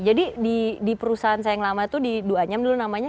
jadi di perusahaan saya yang lama itu di duanyam dulu namanya